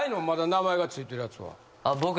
まだ名前が付いてるやつは。